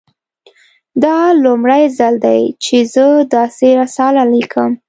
دا لومړی ځل دی چې زه داسې رساله لیکم